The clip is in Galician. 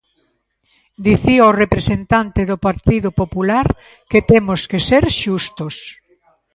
Dicía o representante do Partido Popular que temos que ser xustos.